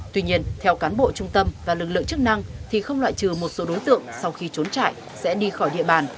tuy nhiên theo cán bộ trung tâm và lực lượng chức năng thì không loại trừ một số đối tượng sau khi trốn chạy sẽ đi khỏi địa bàn